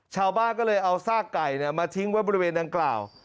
ชาวบ้านก็เลยเอาซากไก่มาทิ้งไว้บริเวณดังกล่าว